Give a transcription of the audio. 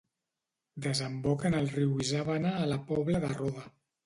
Desemboca en el riu Isàvena a la Pobla de Roda.